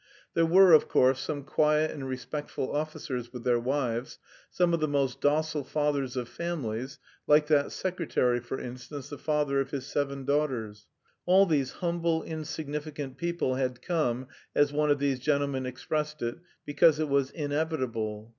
There were, of course, some quiet and respectful officers with their wives, some of the most docile fathers of families, like that secretary, for instance, the father of his seven daughters. All these humble, insignificant people had come, as one of these gentlemen expressed it, because it was "inevitable."